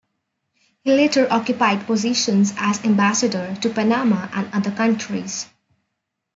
He later occupied positions as ambassador to Panama and other countries.